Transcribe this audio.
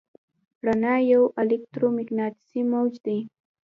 رڼا یو الکترومقناطیسي موج دی.